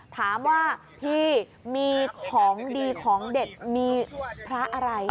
ถามว่าพี่มีของดีของเด็ดมีพระอะไร